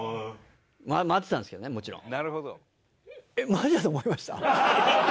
回ってたんですけどねもちろん。